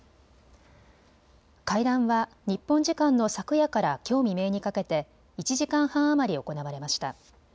会談会談は日本時間の昨夜からきょう未明にかけて１時間半余り行われました。